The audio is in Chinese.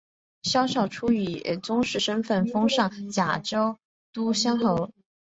萧韶初以宗室身份封上甲县都乡侯。